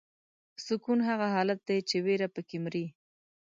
سکون هغه حالت دی چې ویره پکې مري.